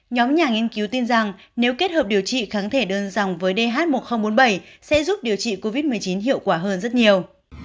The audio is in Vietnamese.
nhóm nhà nghiên cứu tin rằng nếu kết hợp điều trị kháng thể đơn dòng với dh một nghìn bốn mươi bảy sẽ giúp điều trị covid một mươi chín hiệu quả hơn rất nhiều